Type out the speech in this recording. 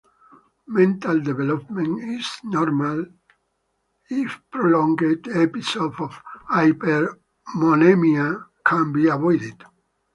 Mental development is normal if prolonged episode of hyperammonemia can be avoided.